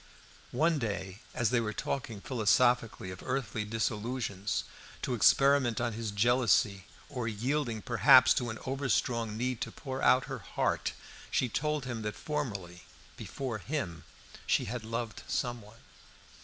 One day, as they were talking philosophically of earthly disillusions, to experiment on his jealousy, or yielding, perhaps, to an over strong need to pour out her heart, she told him that formerly, before him, she had loved someone.